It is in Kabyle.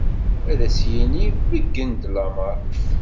Ad as-yini beggen-d lameṛ.